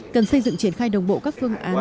cần xây dựng triển khai đồng bộ các phương án